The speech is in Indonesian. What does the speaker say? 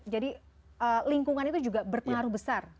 jadi lingkungan itu juga berpengaruh besar